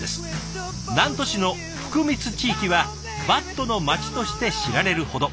南砺市の福光地域はバットの町として知られるほど。